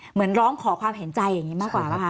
เหมือนร้องขอความเห็นใจอย่างนี้มากกว่าป่ะค